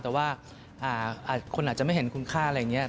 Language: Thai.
แต่ว่าคนอาจจะไม่เห็นคุณค่าอะไรอย่างนี้